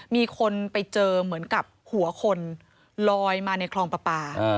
มีคนไปเจอเหมือนกับหัวคนลอยมาในคลองปลาปลา